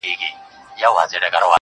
د اوښ بـارونـه پـــه واوښـتـل,